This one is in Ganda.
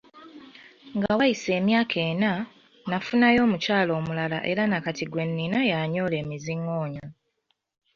Nga wayise emyaka ena, nnafunayo omukyala omulala era nakati gwe nnina y'anyoola emizingoonyo.